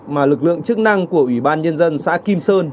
mà lực lượng chức năng của ủy ban nhân dân xã kim sơn